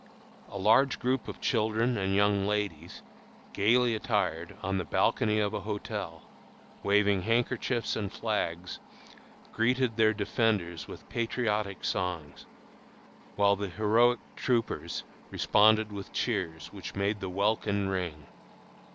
A large group of children and young ladies, gayly attired, on the balcony of a hotel, waving handkerchiefs and flags, greeted their defenders with patriotic songs, while the heroic troopers responded with cheers which made the welkin ring.